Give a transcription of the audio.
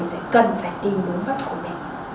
sẽ cần phải tìm đúng vật của mình